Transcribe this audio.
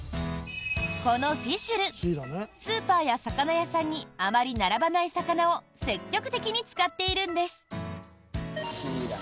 このフィシュルスーパーや魚屋さんにあまり並ばない魚を積極的に使っているんです。